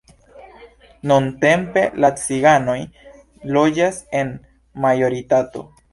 Nuntempe la ciganoj loĝas en majoritato.